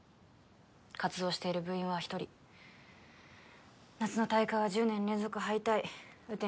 活動している部員は１人夏の大会は１０年連続敗退雨天